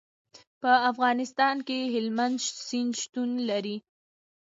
په افغانستان کې هلمند سیند شتون لري.